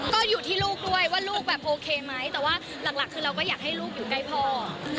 ก็อยู่ที่ลูกด้วยว่าลูกแบบโอเคไหมแต่ว่าหลักคือเราก็อยากให้ลูกอยู่ใกล้พ่อ